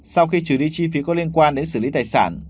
sau khi trừ đi chi phí có liên quan đến xử lý tài sản